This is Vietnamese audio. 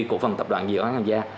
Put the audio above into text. cổ phần tập đoàn dịu án hàng gia